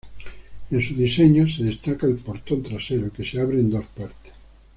En su diseño se destaca el portón trasero, que se abre en dos partes.